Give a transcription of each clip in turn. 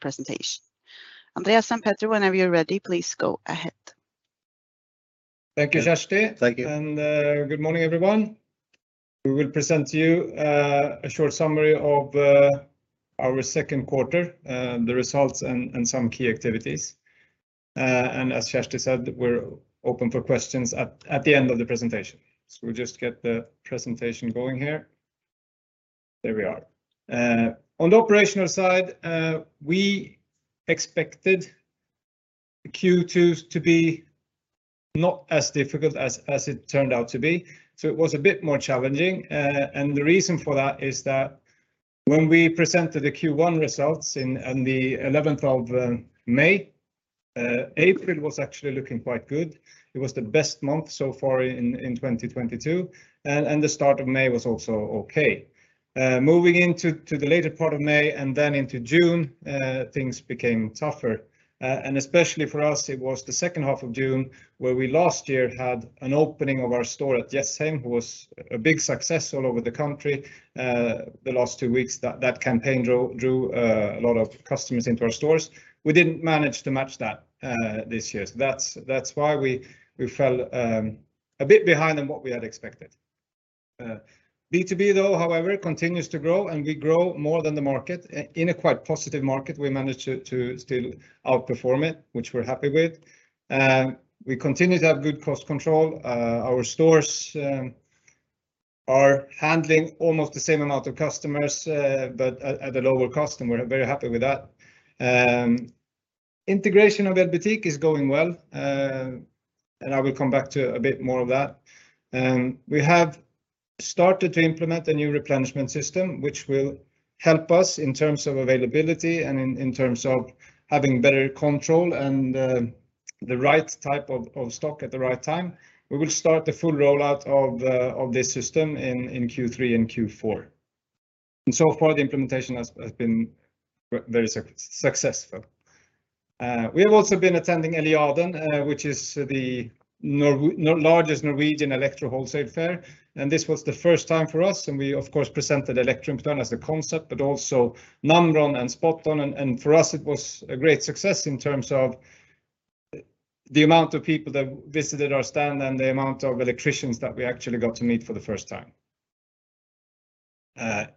The presentation. Andreas and Petter, whenever you're ready, please go ahead. Thank you, Kjersti. Thank you. Good morning, everyone. We will present to you a short summary of our second quarter, the results and some key activities. As Kjersti said, we're open for questions at the end of the presentation. We'll just get the presentation going here. There we are. On the operational side, we expected Q2 to be not as difficult as it turned out to be, so it was a bit more challenging. The reason for that is that when we presented the Q1 results in the 11th of May, April was actually looking quite good. It was the best month so far in 2022. The start of May was also okay. Moving into the later part of May and then into June, things became tougher. Especially for us, it was the second half of June, where we last year had an opening of our store at Jessheim, who was a big success all over the country. The last two weeks, that campaign drew a lot of customers into our stores. We didn't manage to match that this year. That's why we fell a bit behind than what we had expected. B2B though, however, continues to grow, and we grow more than the market. In a quite positive market, we managed to still outperform it, which we're happy with. We continue to have good cost control. Our stores are handling almost the same amount of customers, but at a lower cost, and we're very happy with that. Integration of Elbutik is going well, and I will come back to a bit more of that. We have started to implement a new replenishment system, which will help us in terms of availability and in terms of having better control and the right type of stock at the right time. We will start the full rollout of this system in Q3 and Q4. So far the implementation has been very successful. We have also been attending Eliaden, which is Norway's largest Norwegian electrical wholesale fair, and this was the first time for us, and we of course presented Elektroimportøren as a concept, but also Namron and SpotOn. For us it was a great success in terms of the amount of people that visited our stand and the amount of electricians that we actually got to meet for the first time.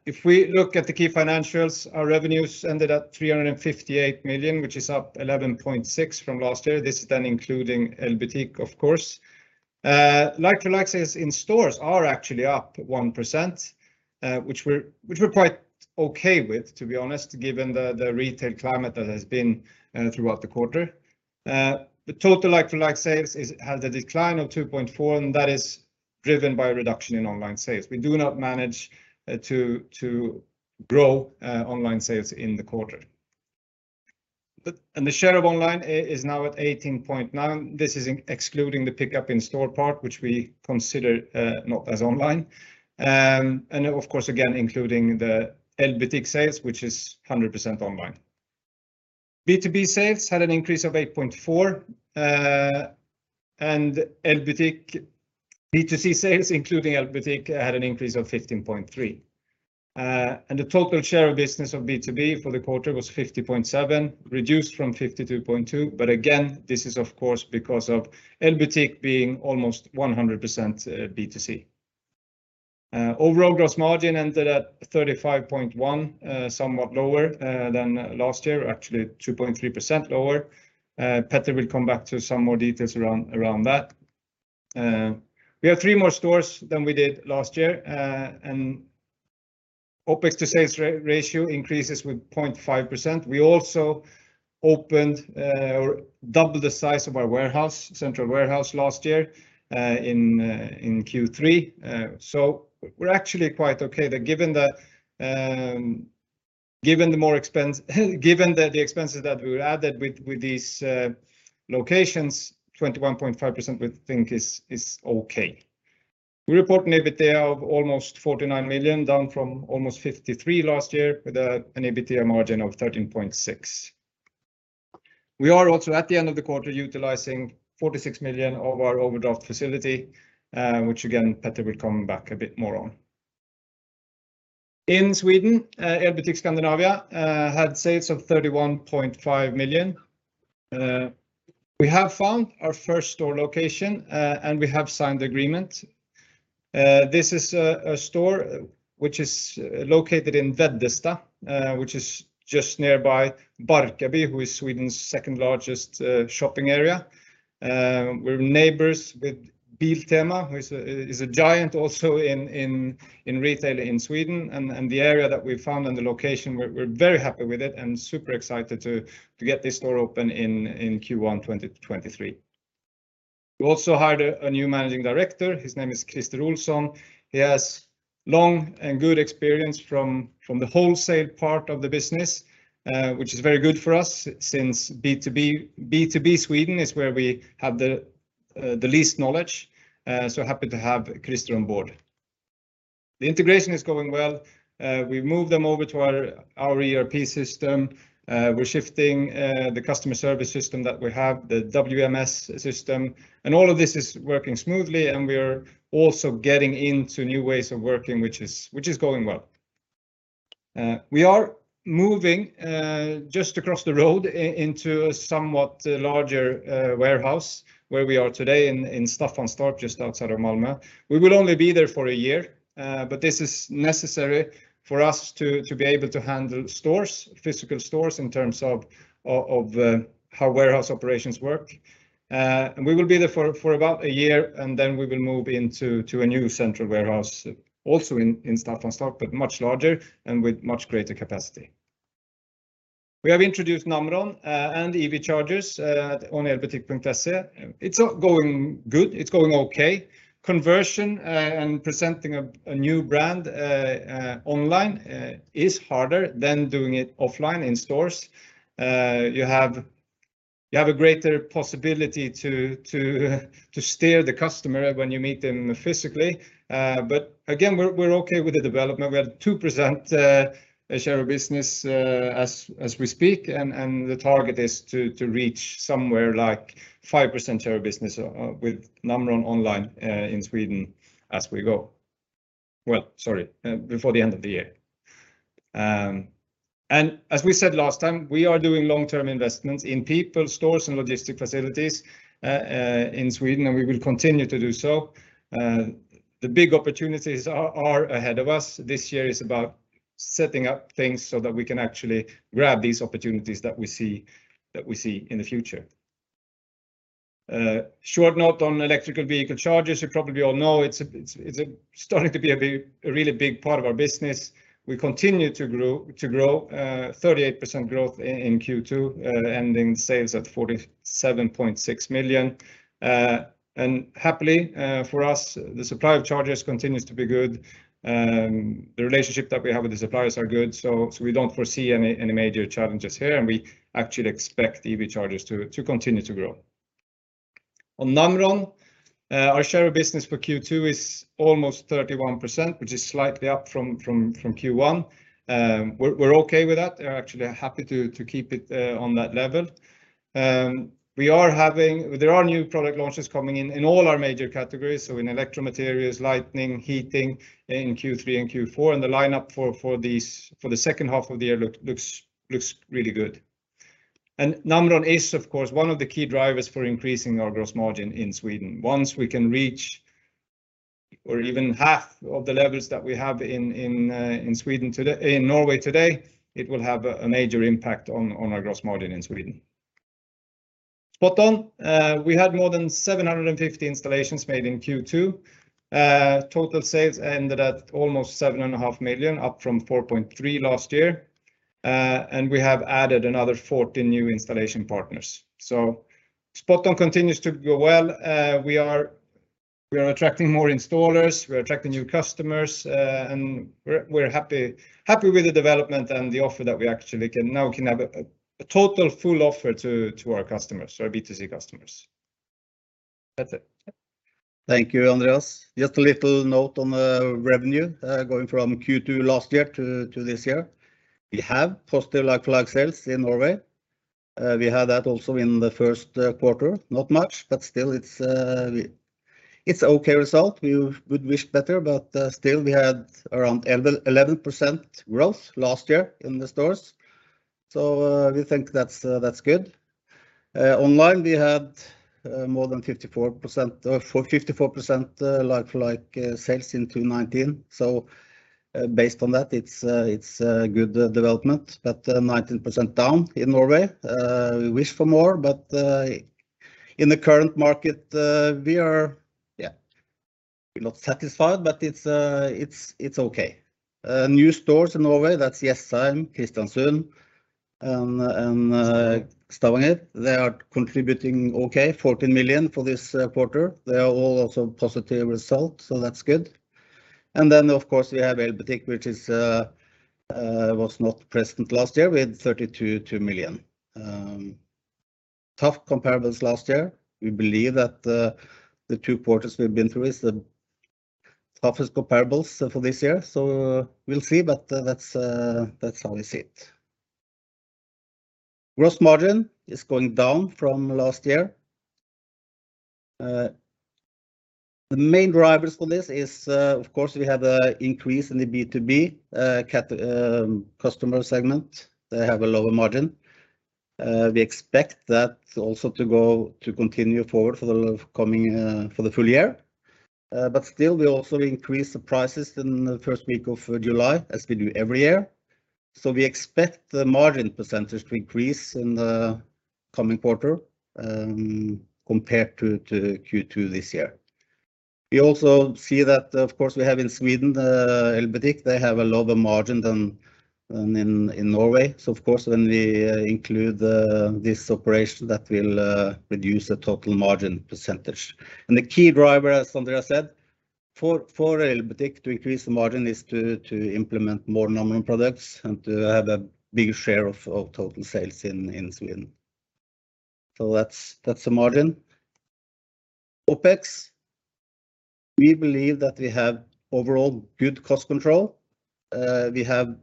If we look at the key financials, our revenues ended at 358 million,, which is up 11.6% from last year. This is then including Elbutik, of course. Like-for-like sales in stores are actually up 1%, which we're quite okay with, to be honest, given the retail climate that has been throughout the quarter. The total like-for-like sales has a decline of 2.4% and that is driven by a reduction in online sales. We do not manage to grow online sales in the quarter. The share of online is now at 18.9%. This is excluding the pickup in store part, which we consider not as online.. Of course, again, including the Elbutik sales, which is 100% online. B2B sales had an increase of 8.4%, and Elbutik B2C sales, including Elbutik, had an increase of 15.3%. The total share of business of B2B for the quarter was 50.7%, reduced from 52.2%. Again, this is of course because of Elbutik being almost 100% B2C. Overall gross margin ended at 35.1%, somewhat lower than last year, actually 2.3% lower. Petter will come back to some more details around that. We have three more stores than we did last year. OPEX to sales ratio increases with 0.5%. We also opened or doubled the size of our warehouse, central warehouse last year in Q3. We're actually quite okay given that the expenses that we added with these locations, 21.5% we think is okay. We report an EBITDA of almost 49 million, down from almost 53 million last year, with an EBITDA margin of 13.6%. We are also at the end of the quarter utilizing 46 million of our overdraft facility, which again, Petter will come back a bit more on. In Sweden, Elbutik Scandinavia AB had sales of 31.5 million. We have found our first store location and we have signed the agreement. This is a store which is located in Veddesta, which is just nearby Barkarby, who is Sweden's second-largest shopping area. We're neighbors with Biltema, who is a giant also in retail in Sweden. The area that we found and the location, we're very happy with it and super excited to get this store open in Q1 2023. We also hired a new managing director. His name is Christer Olsson. He has long and good experience from the wholesale part of the business, which is very good for us since B2B Sweden is where we have the least knowledge. Happy to have Christer on board. The integration is going well. We've moved them over to our ERP system. We're shifting the customer service system that we have, the WMS system, and all of this is working smoothly, and we are also getting into new ways of working, which is going well. We are moving just across the road into a somewhat larger warehouse where we are today in Staffanstorp, just outside of Malmö. We will only be there for a year, but this is necessary for us to be able to handle stores, physical stores in terms of how warehouse operations work. We will be there for about a year, and then we will move into a new central warehouse, also in Staffanstorp, but much larger and with much greater capacity. We have introduced Namron and EV chargers on elbutik.se. It's going good. It's going okay. Conversion and presenting a new brand online is harder than doing it offline in stores. You have a greater possibility to steer the customer when you meet them physically. Again, we're okay with the development. We are 2% share of business as we speak, and the target is to reach somewhere like 5% share of business with Namron online in Sweden as we go. Well, sorry, before the end of the year. As we said last time, we are doing long-term investments in people, stores, and logistics facilities in Sweden, and we will continue to do so. The big opportunities are ahead of us. This year is about setting up things so that we can actually grab these opportunities that we see in the future. Short note on electric vehicle chargers. You probably all know, it's starting to be a big, a really big part of our business. We continue to grow, 38% growth in Q2, ending sales at 47.6 million. Happily, for us, the supply of chargers continues to be good, the relationship that we have with the suppliers are good, so we don't foresee any major challenges here, and we actually expect EV chargers to continue to grow. On Namron, our share of business for Q2 is almost 31%, which is slightly up from Q1. We're okay with that. We're actually happy to keep it on that level. There are new product launches coming in all our major categories, so in Electro Materials, Lighting, Heating in Q3 and Q4, and the lineup for these for the second half of the year looks really good. Namron is, of course, one of the key drivers for increasing our gross margin in Sweden. Once we can reach or even half of the levels that we have in Norway today, it will have a major impact on our gross margin in Sweden. SpotOn. We had more than 750 installations made in Q2. Total sales ended at almost 7.5 million, up from 4.3 million last year. We have added another 40 new installation partners. SpotOn continues to go well. We are attracting more installers. We're attracting new customers, and we're happy with the development and the offer that we actually can now have a total full offer to our customers, our B2C customers. That's it. Thank you, Andreas. Just a little note on the revenue, going from Q2 last year to this year. We have positive like-for-like sales in Norway. We had that also in the first quarter. Not much, but still it's okay result. We would wish better, but still we had around 11% growth last year in the stores, so we think that's good. Online we had more than 54% like-for-like sales in 2019, so based on that, it's good development. 19% down in Norway. We wish for more, but in the current market, we're not satisfied, but it's okay. New stores in Norway, that's Jessheim, Kristiansund, Stavanger. They are contributing okay, 14 million for this quarter. They are all also positive result, so that's good. Then of course we have Elbutik, which was not present last year. We had 32.2 million. Tough comparables last year. We believe that the two quarters we've been through is the toughest comparables for this year. We'll see, but that's how I see it. Gross margin is going down from last year. The main drivers for this is of course we have a increase in the B2B customer segment. They have a lower margin. We expect that also to continue forward for the full year. But still, we also increase the prices in the first week of July, as we do every year. We expect the margin percentage to increase in the coming quarter, compared to Q2 this year. We also see that, of course, we have in Sweden, Elbutik. They have a lower margin than in Norway. Of course when we include this operation, that will reduce the total margin percentage. The key driver, as Andreas said, for Elbutik to increase the margin is to implement more Namron products and to have a bigger share of total sales in Sweden. That's the margin. OpEx, we believe that we have overall good cost control. We have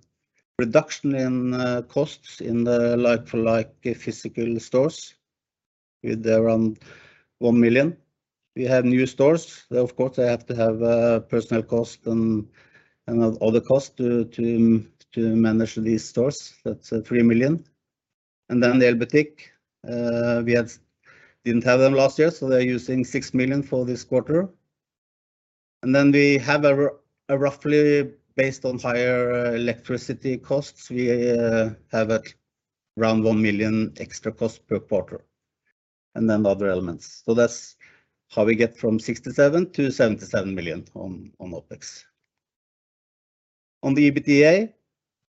reduction in costs in the like-for-like physical stores with around 1 million. We have new stores. Of course, they have to have personnel cost and other costs to manage these stores. That's 3 million. The Elbutik didn't have them last year, so they're using 6 million for this quarter. We have roughly based on higher electricity costs, we have at around 1 million extra cost per quarter, and then other elements. That's how we get from 67 million-77 million on OPEX. On the EBITDA,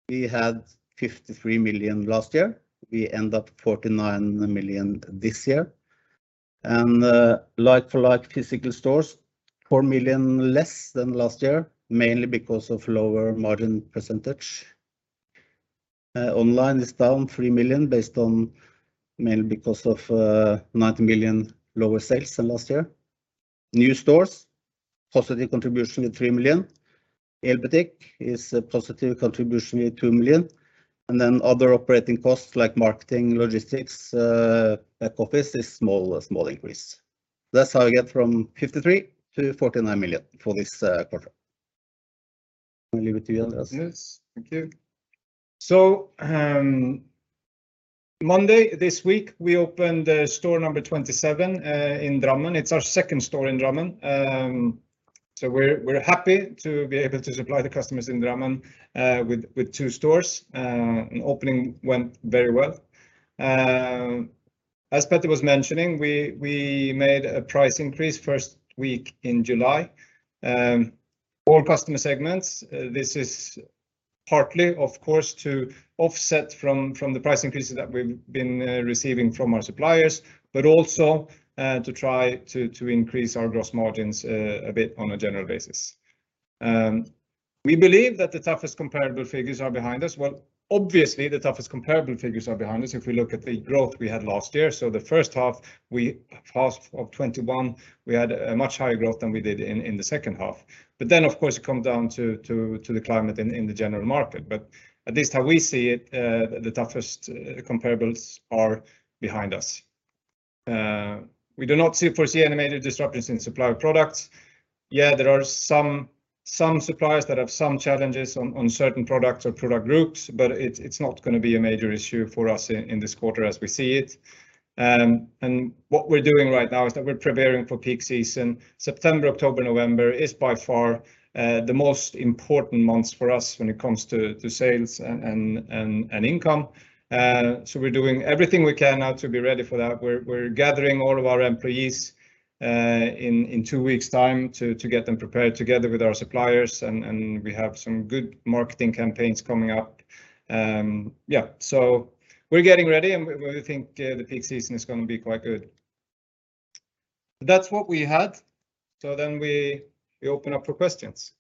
we had 53 million last year. We end up 49 million this year. Like-for-like physical stores, 4 million less than last year, mainly because of lower margin percentage. Online is down 3 million based on mainly because of 90 million lower sales than last year. New stores, positive contribution with 3 million. Elbutik is a positive contribution with 2 million. Other operating costs like marketing, logistics, back office is small, a small increase. That's how we get from 53 million-49 million for this quarter. I leave it to you, Andreas. Yes. Thank you. Monday this week, we opened store number 27 in Drammen. It's our second store in Drammen. We're happy to be able to supply the customers in Drammen with two stores. Opening went very well. As Petter was mentioning, we made a price increase first week in July. All customer segments, this is partly, of course, to offset from the price increases that we've been receiving from our suppliers, but also to try to increase our gross margins a bit on a general basis. We believe that the toughest comparable figures are behind us. Well, obviously, the toughest comparable figures are behind us if we look at the growth we had last year. The first half we... Half of 2021, we had a much higher growth than we did in the second half. Of course, it comes down to the climate in the general market. At least how we see it, the toughest comparables are behind us. We do not foresee any major disruptions in supply of products. Yeah, there are some suppliers that have some challenges on certain products or product groups, but it's not gonna be a major issue for us in this quarter as we see it. What we're doing right now is that we're preparing for peak season. September, October, November is by far the most important months for us when it comes to sales and income. We're doing everything we can now to be ready for that. We're gathering all of our employees in two weeks' time to get them prepared together with our suppliers, and we have some good marketing campaigns coming up. Yeah, so we're getting ready, and we think the peak season is gonna be quite good. That's what we had. We open up for questions.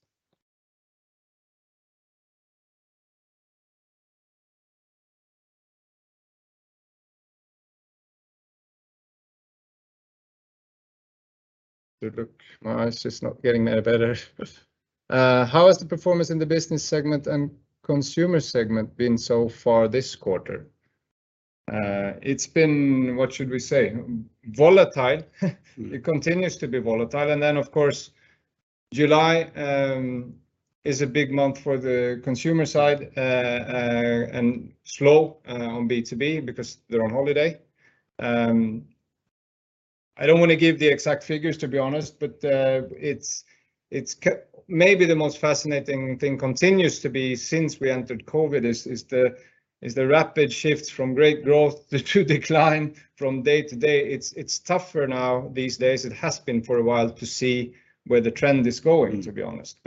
It looks like my eyes just aren't getting any better. How has the performance in the business segment and consumer segment been so far this quarter? It's been, what should we say? Volatile. Mm. It continues to be volatile. Of course, July is a big month for the consumer side and slow on B2B because they're on holiday. I don't wanna give the exact figures, to be honest, but maybe the most fascinating thing continues to be since we entered COVID is the rapid shifts from great growth to decline from day to day. It's tougher now these days, it has been for a while, to see where the trend is going. Mm To be honest.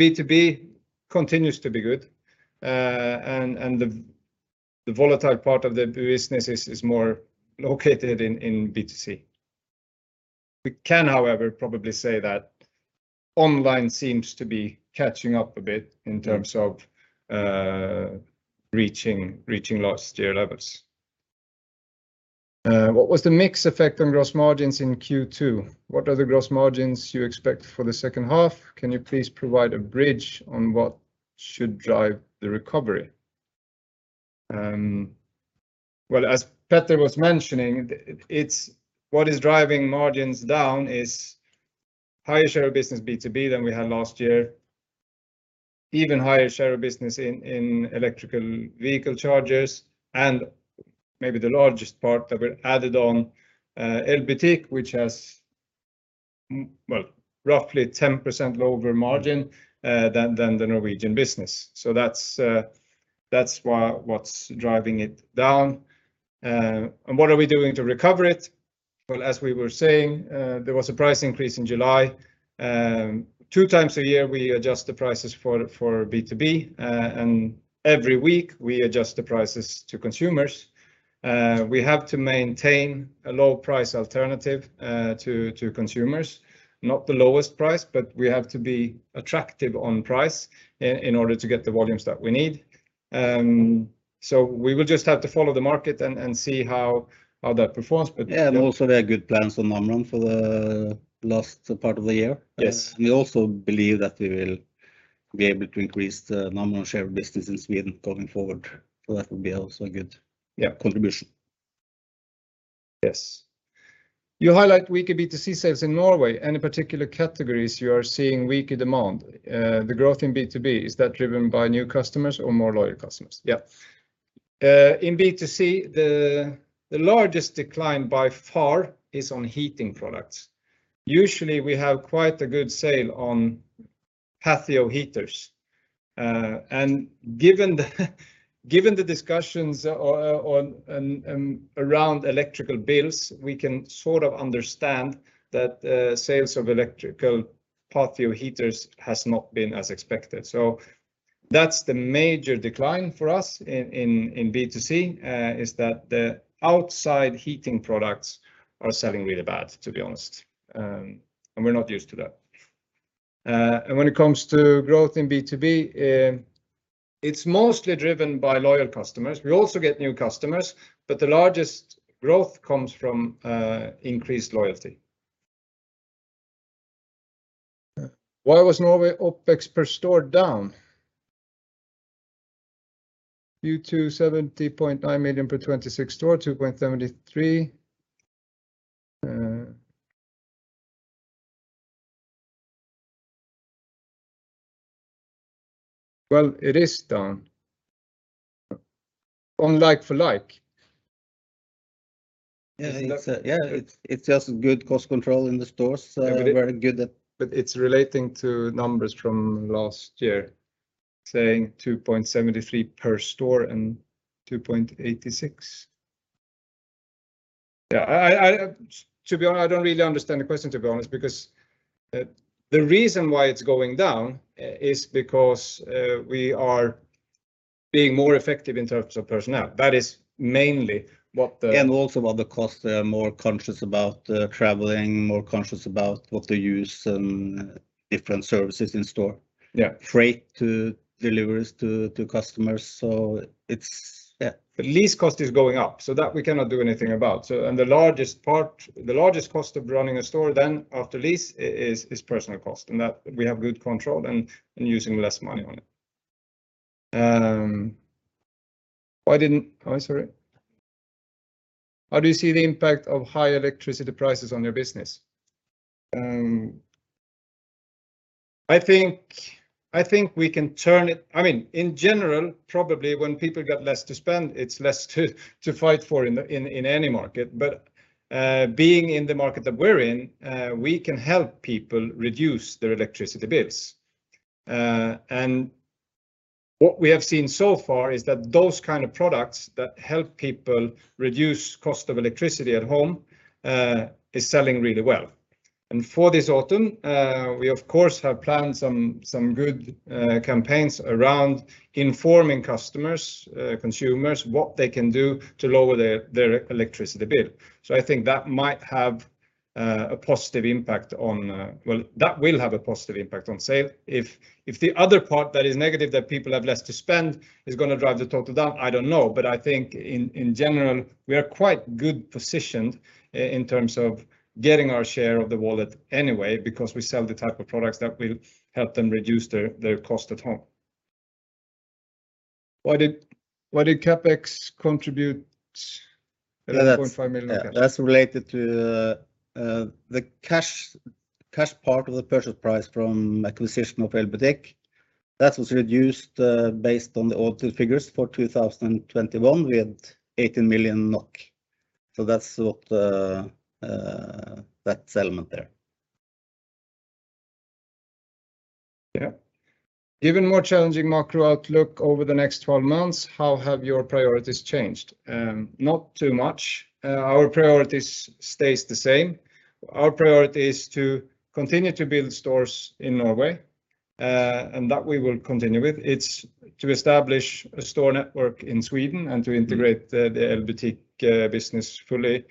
B2B continues to be good. The volatile part of the business is more located in B2C. We can, however, probably say that online seems to be catching up a bit in terms of Mm Reaching last year levels. What was the mix effect on gross margins in Q2? What are the gross margins you expect for the second half? Can you please provide a bridge on what should drive the recovery? As Petter was mentioning, what is driving margins down is higher share of business B2B than we had last year. Even higher share of business in electric vehicle chargers, and maybe the largest part that we added on, Elbutik, which has roughly 10% lower margin than the Norwegian business. That's why what's driving it down. What are we doing to recover it? As we were saying, there was a price increase in July. 2x a year, we adjust the prices for B2B, and every week, we adjust the prices to consumers. We have to maintain a low price alternative to consumers. Not the lowest price, but we have to be attractive on price in order to get the volumes that we need. We will just have to follow the market and see how that performs. Yeah, there are good plans on Namron for the last part of the year. Yes. We also believe that we will be able to increase the Namron share of business in Sweden going forward, so that would be also a good. Yeah Contribution. Yes. You highlight weaker B2C sales in Norway. Any particular categories you are seeing weaker demand? The growth in B2B, is that driven by new customers or more loyal customers? Yeah. In B2C, the largest decline by far is on heating products. Usually we have quite a good sale on patio heaters. Given the discussions around electrical bills, we can sort of understand that sales of electrical patio heaters has not been as expected. That's the major decline for us in B2C, that the outside heating products are selling really bad, to be honest. We're not used to that. When it comes to growth in B2B, it's mostly driven by loyal customers. We also get new customers, but the largest growth comes from increased loyalty. Why was Norway OPEX per store down? Q2 NOK 70.9 million per 26 stores, 2.73 million. Well, it is down. On like-for-like. It's just good cost control in the stores, very good at. It's relating to numbers from last year, saying 2.73 per store and 2.86. Yeah, I don't really understand the question, to be honest, because the reason why it's going down is because we are being more effective in terms of personnel. That is mainly what the Also other costs. They are more conscious about traveling, more conscious about what they use, different services in store. Yeah. Freight to deliveries to customers. It's, yeah. The lease cost is going up, so that we cannot do anything about. The largest cost of running a store after lease is personal cost, and that we have good control and using less money on it. How do you see the impact of high electricity prices on your business? I think, in general, probably when people get less to spend, it's less to fight for in any market. Being in the market that we're in, we can help people reduce their electricity bills. What we have seen so far is that those kind of products that help people reduce cost of electricity at home is selling really well. For this autumn, we of course have planned some good campaigns around informing customers, consumers what they can do to lower their electricity bill. I think that might have a positive impact on. Well, that will have a positive impact on sale. If the other part that is negative that people have less to spend is gonna drive the total down, I don't know. I think in general, we are quite good positioned in terms of getting our share of the wallet anyway, because we sell the type of products that will help them reduce their cost at home. Why did CapEx contribute 11.5 million cap- Yeah, that's related to the cash part of the purchase price from acquisition of Elbutik. That was reduced based on the audit figures for 2021 with 18 million NOK. That's what that element there. Given more challenging macro outlook over the next 12 months, how have your priorities changed? Not too much. Our priorities stays the same. Our priority is to continue to build stores in Norway, and that we will continue with. It's to establish a store network in Sweden and to integrate the Elbutik business fully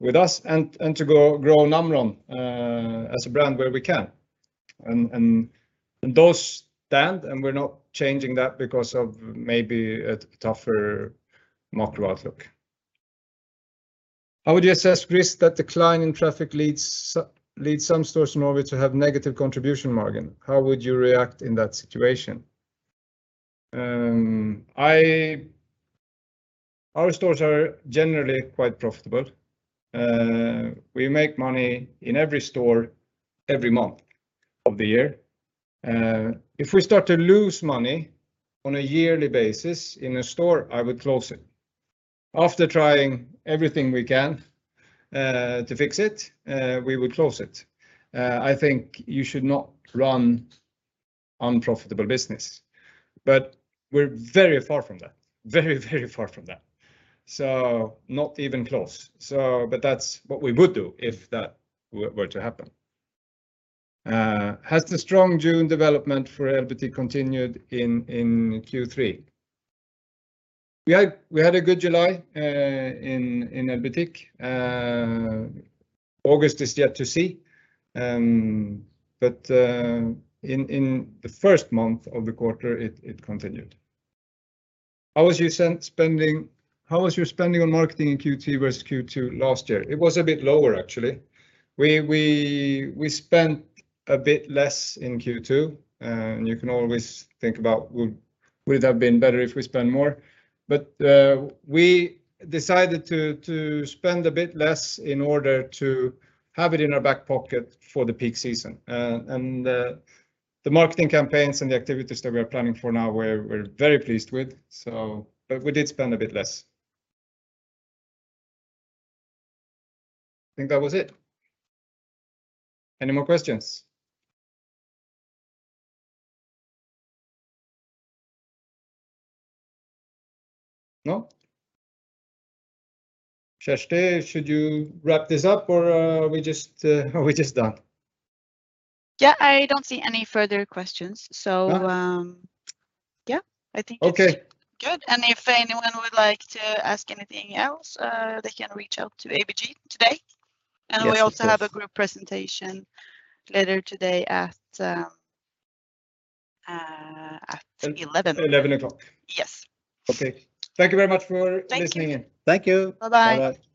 with us, and to grow Namron as a brand where we can. Those stand, and we're not changing that because of maybe a tougher macro outlook. How would you assess risk that decline in traffic leads some stores in Norway to have negative contribution margin? How would you react in that situation? Our stores are generally quite profitable. We make money in every store every month of the year. If we start to lose money on a yearly basis in a store, I would close it. After trying everything we can to fix it, we would close it. I think you should not run unprofitable business. We're very far from that, very, very far from that. Not even close. That's what we would do if that were to happen. Has the strong June development for Elbutik continued in Q3? We had a good July in Elbutik. August is yet to see. In the first month of the quarter, it continued. How was your spending on marketing in Q2 versus Q2 last year? It was a bit lower, actually. We spent a bit less in Q2, and you can always think about, would it have been better if we spend more? We decided to spend a bit less in order to have it in our back pocket for the peak season. The marketing campaigns and the activities that we are planning for now we're very pleased with. We did spend a bit less. I think that was it. Any more questions? No? Kjersti, should you wrap this up or are we just done? Yeah, I don't see any further questions. Ah. Yeah, I think it's- Okay. Good. If anyone would like to ask anything else, they can reach out to ABG today. Yes, please. We also have a group presentation later today at 11:00 A.M. 11:00 A.M. Yes. Okay. Thank you very much for listening in. Thank you. Thank you. Bye-bye. Bye-bye.